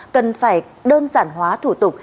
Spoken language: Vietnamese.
cần phải đơn giản hóa thủ tục